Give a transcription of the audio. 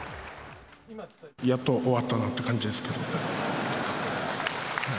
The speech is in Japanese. やっと終わったなって感じです。